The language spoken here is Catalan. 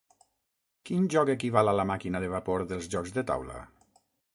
Quin joc equival a la màquina de vapor dels jocs de taula?